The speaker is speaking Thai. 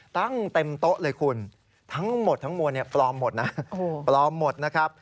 ตั้งเต็มโต๊ะเลยคุณทั้งหมดทั้งหมวนเนี้ยปลอมหมดนะ